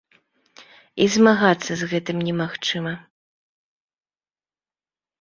І змагацца з гэтым немагчыма.